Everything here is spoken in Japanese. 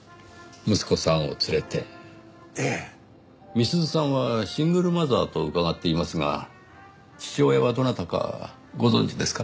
美鈴さんはシングルマザーと伺っていますが父親はどなたかご存じですか？